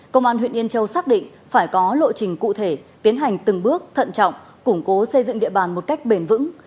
công an huyện yên châu xác định phải có lộ trình cụ thể tiến hành từng bước thận trọng củng cố xây dựng địa bàn một cách bền vững